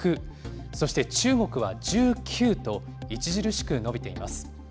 そして中国は１９と、著しく伸びています。